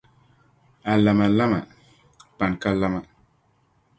A lama lama, pani ka lama.